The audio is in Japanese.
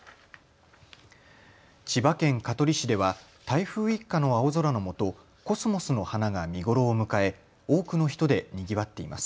千葉県香取市では台風一過の青空のもとコスモスの花が見頃を迎え多くの人でにぎわっています。